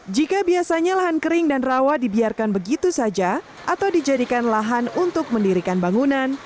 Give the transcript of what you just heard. jika biasanya lahan kering dan rawa dibiarkan begitu saja atau dijadikan lahan untuk mendirikan bangunan